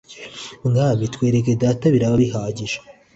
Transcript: Mwami twereke Data biraba bihagije